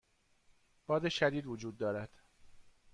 باد شدید وجود دارد.